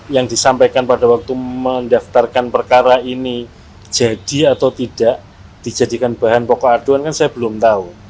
yang disampaikan pada waktu mendaftarkan perkara ini jadi atau tidak dijadikan bahan pokok aduan kan saya belum tahu